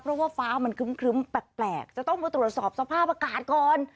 เพราะว่าฟ้ามันครึ้มแปลกจะต้องมาตรวจสอบสภาพอากาศก่อน